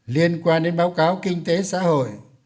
liên quan đến báo cáo kinh tế xã hội